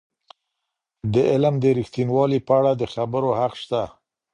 د علم د ریښتینوالی په اړه د خبرو حق سته.